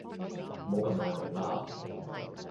唔好咁大懵呀